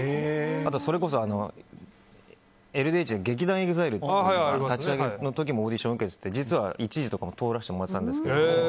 それこそＬＤＨの劇団ＥＸＩＬＥの立ち上げの時もオーディションを受けていて１次とかも通らせてもらってたんですけど。